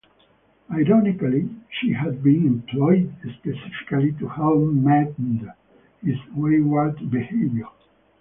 Ironically she had been employed specifically to help mend his wayward behaviour.